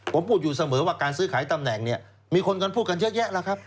ผมพูดอยู่เสมอว่าการซื้อขายตำแหน่งเนี่ยมีคนกันพูดกันเยอะแยะแล้วครับ